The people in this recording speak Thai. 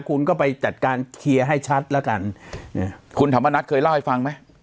คุณก็ไปจัดการเคลียร์ให้ชัดแล้วกันคุณธรรมนัฐเคยเล่าให้ฟังไหม